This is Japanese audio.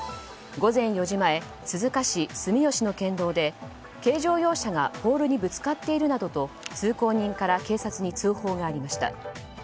午前４時前、鈴鹿市住吉の県道で軽乗用車がポールにぶつかっているなどと通行人から警察に通報がありました。